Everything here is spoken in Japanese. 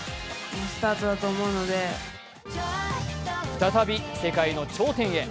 再び世界の頂点へ。